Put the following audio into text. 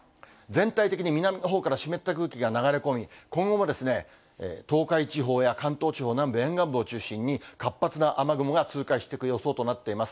全体的に南のほうから湿った空気が流れ込み、今後も東海地方や関東地方南部、沿岸部を中心に、活発な雨雲が通過していく予想となっています。